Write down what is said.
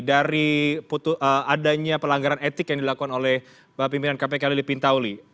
dari adanya pelanggaran etik yang dilakukan oleh pimpinan kpk lili pintauli